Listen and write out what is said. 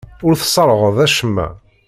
Ur tesserɣeḍ acemma.